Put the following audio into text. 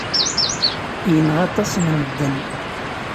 Yenɣa aṭas n medden.